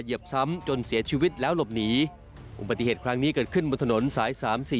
เหยียบซ้ำจนเสียชีวิตแล้วหลบหนีอุบัติเหตุครั้งนี้เกิดขึ้นบนถนนสายสามสี่